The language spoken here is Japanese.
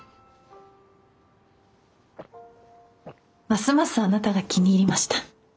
ますますあなたが気に入りました。